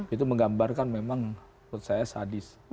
itu menggambarkan memang menurut saya sadis